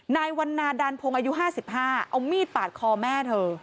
นายวันนาดานพงศ์อายุ๕๕เอามีดปาดคอแม่เธอ